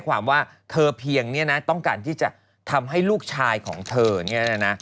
ว่าเธอเพียงต้องการที่จะทำให้ลูกชายของเธอนี้